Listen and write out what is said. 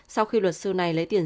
sau khi luật sư này lấy tiền